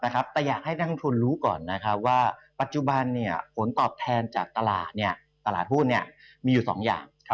แต่อยากให้นักลงทุนรู้ก่อนว่าปัจจุบันผลตอบแทนจากตลาดตลาดหุ้นมีอยู่๒อย่าง